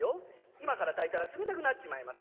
今から炊いたら冷たくなっちまいます。